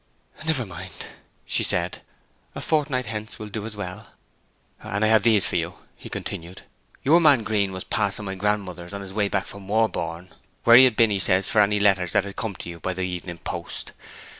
'Never mind,' she said. 'A fortnight hence will do as well.' 'And I have these for you,' he continued. 'Your man Green was passing my grandmother's on his way back from Warborne, where he had been, he says, for any letters that had come for you by the evening post.